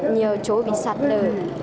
nhiều chỗ bị sạt lở